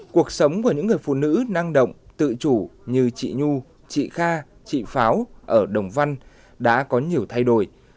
cuộc sống của những người phụ nữ năng động tự chủ như chị nhu chị kha chị pháo ở đồng văn đã có nhiều thay đổi